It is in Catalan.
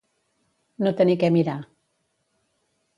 No tenir què mirar.